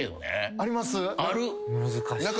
あります？